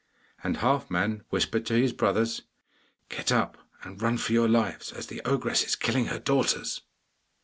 And Halfman whispered to his brothers, 'Get up and run for your lives, as the ogress is killing her daughters.